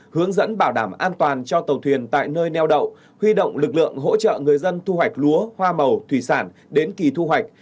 hướng dẫn bảo đảm an toàn cho tàu thuyền tại nơi neo đậu huy động lực lượng hỗ trợ người dân thu hoạch lúa hoa màu thủy sản đến kỳ thu hoạch